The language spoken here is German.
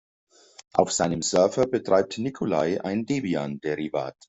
Auf seinem Server betreibt Nikolai ein Debian-Derivat.